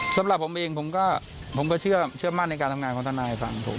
สำหรับผมเองผมก็เชื่อมั่นในการทำงานของทนายฝั่งผม